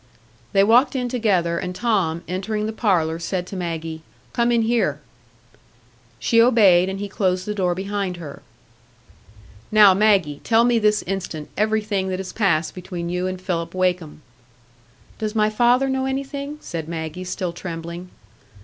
They walked in together, and Tom, entering the parlour, said to Maggie, "Come in here." She obeyed, and he closed the door behind her. "Now, Maggie, tell me this instant everything that has passed between you and Philip Wakem." "Does my father know anything?" said Maggie, still trembling.